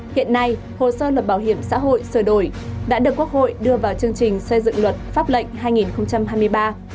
hiện nay hồ sơ luật bảo hiểm xã hội sửa đổi đã được quốc hội đưa vào chương trình xây dựng luật pháp lệnh hai nghìn hai mươi ba